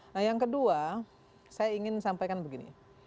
nah yang kedua saya ingin sampaikan begini